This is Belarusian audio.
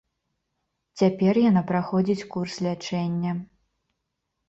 Цяпер яна праходзіць курс лячэння.